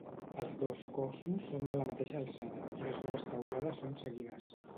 Els dos cossos són de la mateixa alçada i les dues teulades són seguides.